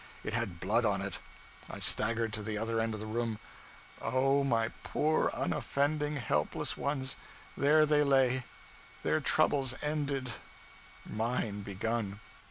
It had blood on it! I staggered to the other end of the room. Oh, poor unoffending, helpless ones, there they lay, their troubles ended, mine begun!